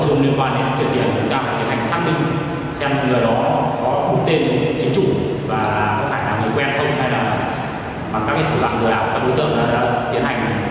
và có phải là người quen không hay là bằng cách thử lặng lừa đảo của các đối tượng là tiến hành